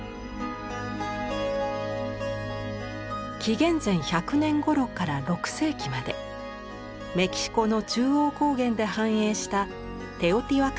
紀元前１００年ごろから６世紀までメキシコの中央高原で繁栄したテオティワカン文明。